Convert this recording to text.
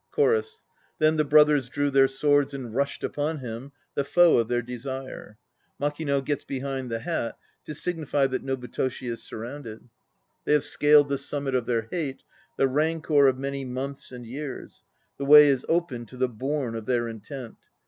CHORUS. Then the brothers drew their swords and rushed upon him, The foe of their desire. fMAKINO gets behind the hat, to signify that NOBUTOSHI is surrounded.) They have scaled the summit of their hate, The rancour of many months and years. The way is open to the bourne of their intent.